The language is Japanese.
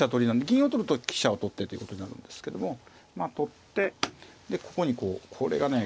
銀を取ると飛車を取ってってことになるんですけどもまあ取ってでここにこうこれがね結構。